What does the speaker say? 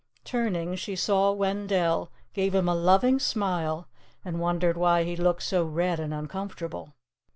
'" Turning, she saw Wendell, gave him a loving smile, and wondered why he looked so red and uncomfortable.